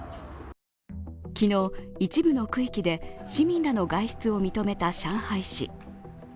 昨日、一部の区域で市民らの外出を認めた上海市。